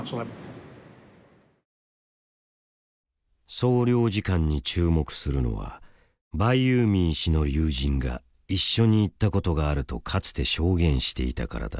総領事館に注目するのはバイユーミー氏の友人が一緒に行ったことがあるとかつて証言していたからだ。